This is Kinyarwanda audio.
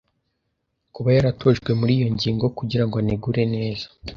kuba yaratojwe muri iyo ngingo kugirango anegure neza